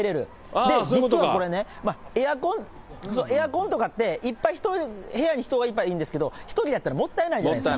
で、実はこれね、エアコンとかっていっぱい、部屋にいっぱい人がいたらいいんですけど、１人やったらもったいないじゃないですか。